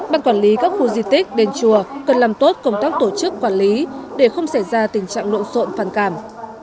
ban quản lý các khu di tích đền chùa cần làm tốt công tác tổ chức quản lý để không xảy ra tình trạng lộn xộn phản cảm